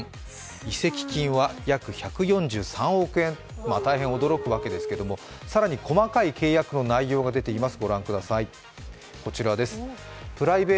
契約金は約１４３億円、大変驚くわけですけども、更に細かい契約の内容が出ています。